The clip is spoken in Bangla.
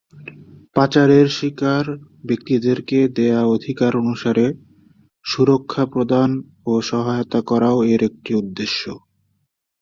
পাচারের শিকার ব্যক্তিদেরকে দেয়া অধিকার অনুসারে সুরক্ষা প্রদান ও সহায়তা করাও এর একটি উদ্দেশ্য।